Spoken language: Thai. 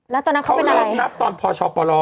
แล้วตอนนั้นเขาเป็นอะไรเขาเริ่มนับตอนพชปล